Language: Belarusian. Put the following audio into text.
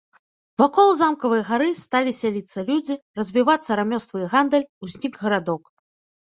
Вакол замкавай гары сталі сяліцца людзі, развівацца рамёствы і гандаль, узнік гарадок.